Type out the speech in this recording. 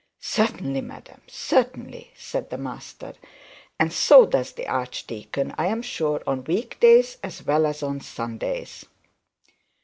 'Certainly, madam, certainly,' said the master, 'and so does the archdeacon, I am sure, on week days as well as on Sundays.'